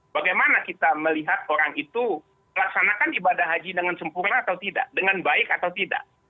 bagaimana kita melihat orang itu melaksanakan ibadah haji dengan sempurna atau tidak dengan baik atau tidak